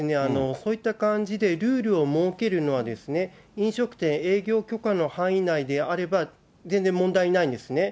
そういった感じでルールを設けるのは、飲食店、営業許可の範囲内であれば全然問題ないんですね。